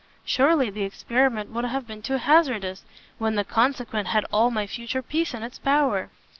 surely the experiment would have been too hazardous, when the consequence had all my future peace in its power.